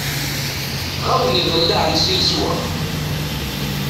Ɣaben iḍellaɛen si leswaq.